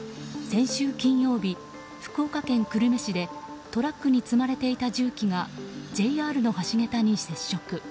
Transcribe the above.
先週金曜日、福岡県久留米市でトラックに積まれていた重機がＪＲの橋桁に接触。